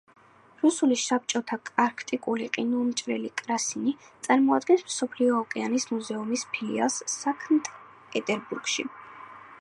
რუსული და საბჭოთა არქტიკული ყინულმჭრელი „კრასინი“, წარმოადგენს მსოფლიო ოკეანის მუზეუმის ფილიალს საქნტ-პეტერბურგში.